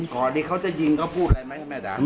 ก่อนที่เขาจะยิงเขาพูดอะไรไหมแม่ดำ